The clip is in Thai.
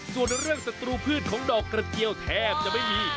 ส่วนเรื่องศัตรูพืชของดอกกระเจียวแทบจะไม่มี